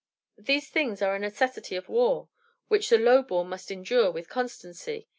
"These things are a necessity of war, which the low born must endure with constancy.